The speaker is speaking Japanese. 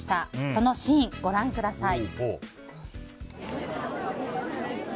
そのシーン、ご覧ください。